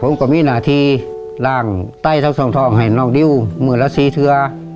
ผมก็มีหนาทีร่างใต้ท่องให้น้องดิ้วมือละสี่เถือ